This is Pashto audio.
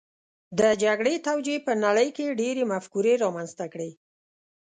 د جګړې توجیې په نړۍ کې ډېرې مفکورې رامنځته کړې